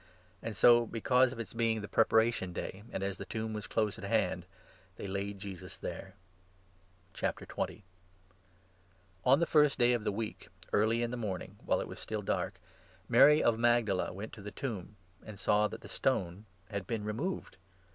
And so, because of 42 its being the Preparation Day, and as the tomb was close at hand, they laid Jesus there. IV.— THE RISEN LIFE. On the first day of the week, early in the morn The ;ng> while it was still dark, Mary of Magdala Reo"je^u*8rn went to the tomb, and saw that the stone had been removed.